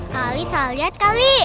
kali salah lihat kali